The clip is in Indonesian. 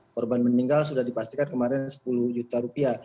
korban meninggal sudah dipastikan kemarin sepuluh juta rupiah